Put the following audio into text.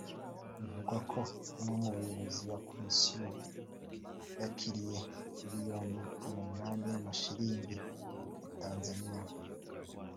Bivugwa ko umwe mu bayobozi ba Komisiyo yakiriye miliyoni umunani z’amashillingi ya Tanzania